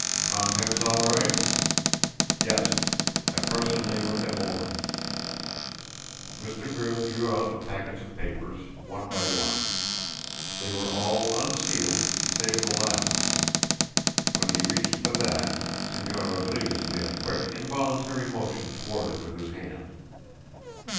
"Contents all right?" "Yes. I personally looked them over." Mr. Grimm drew out the packets of papers, one by one. They were all unsealed save the last. When he reached for that, Señor Rodriguez made a quick, involuntary motion toward it with his hand.